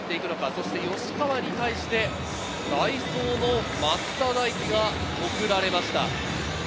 そして吉川に対して代走の増田大輝が送られました。